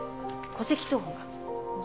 戸籍謄本。